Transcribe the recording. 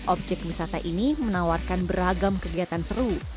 objek wisata ini menawarkan beragam kegiatan seru